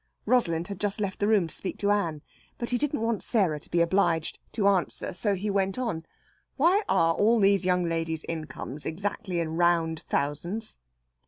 Rosalind had just left the room to speak to Ann. But he didn't want Sarah to be obliged to answer, so he went on: "Why are all these young ladies' incomes exactly in round thousands?"